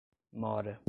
mora